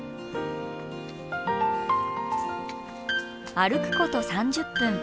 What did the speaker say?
歩くこと３０分。